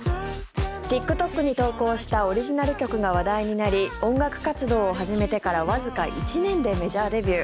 ＴｉｋＴｏｋに投稿したオリジナル曲が話題になり音楽活動を始めてからわずか１年でメジャーデビュー。